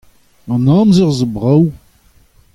An amzer a zo brav.